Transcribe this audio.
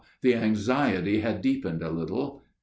the anxiety had deepened a little.